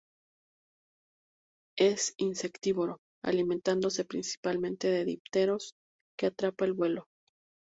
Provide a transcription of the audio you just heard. Es insectívoro, alimentándose principalmente de dípteros que atrapa al vuelo.